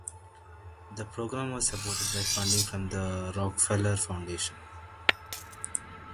The program was supported by funding from the Rockefeller Foundation.